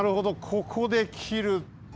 ここできる。